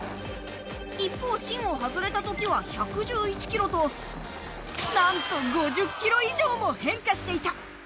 一方、芯を外れた時は１１１キロとなんと５０キロ以上も変化していた。